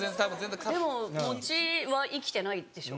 でも餅は生きてないでしょ？